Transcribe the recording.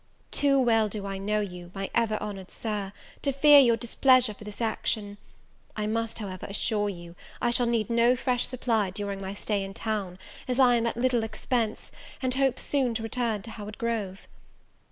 Too well do I know you, my ever honoured Sir, to fear your displeasure for this action: I must, however, assure you, I shall need no fresh supply during my stay in town, as I am at little expense, and hope soon to return to Howard Grove.